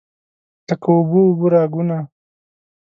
لکه اوبه، اوبه راګونه